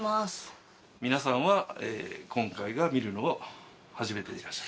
皆さんは今回が見るのは初めてでいらっしゃる？